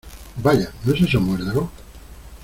Vaya, ¿ no es eso muérdago?